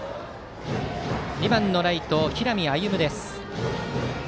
２番のライト、平見歩舞です。